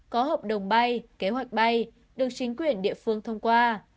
có hợp đồng bay kế hoạch bay được chính quyền địa phương thông qua